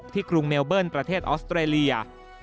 กรุงเมลเบิ้ลประเทศออสเตรเลีย